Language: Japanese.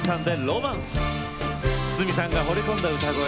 筒美さんがほれ込んだ歌声。